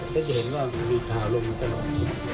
ก็จะเห็นว่ามีข่าวลงมาตลอด